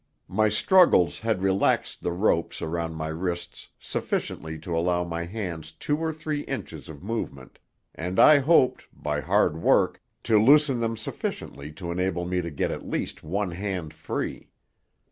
My struggles had relaxed the ropes around my wrists sufficiently to allow my hands two or three inches of movement, and I hoped, by hard work, to loosen them sufficiently to enable me to get at least one hand free.